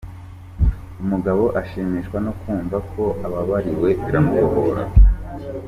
Umugabo ashimishwa no kumva ko ababariwe, biramubohora.